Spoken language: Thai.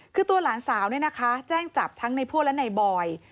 คือตัวหลานสาวแจ้งจับทั้งในพั่วและในบอย